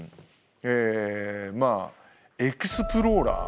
えまあエクスプローラーですよね